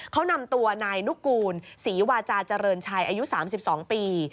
เขานำตัวนายนุกูลศรีวาจาเจริญชัยอายุ๓๒ปี